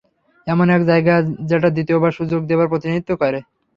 এমন এক জায়গা যেটা দ্বিতীয়বার সুযোগ দেবার প্রতিনিধিত্ব করে।